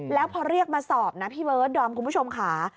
แล้วพอเรียกมาสอบนะพี่เบิร์ดดอมคุณผู้ชมค่ะ